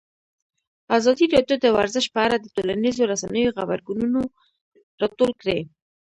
ازادي راډیو د ورزش په اړه د ټولنیزو رسنیو غبرګونونه راټول کړي.